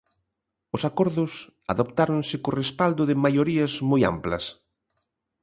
Os acordos adoptáronse co respaldo de maiorías moi amplas.